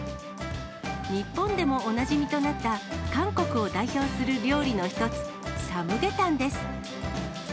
日本でもおなじみとなった韓国を代表する料理の一つ、サムゲタンです。